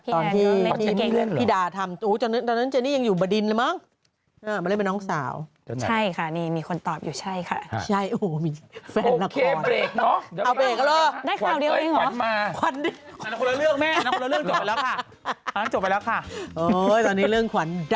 ตอนนี้เรื่องขวัญดังจริง